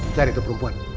cari tuh perempuan